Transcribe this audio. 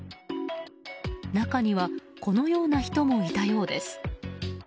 中にはこのような人もいたようです。